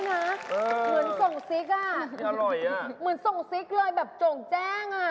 เหมือนส่งซิกอ่ะเหมือนส่งซิกเลยแบบจ่งแจ้ง